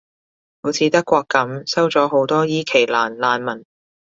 好似德國噉，收咗好多伊期蘭難民